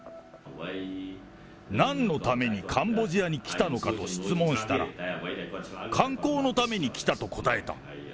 なんのためにカンボジアに来たのかと質問したら、観光のために来たと答えた。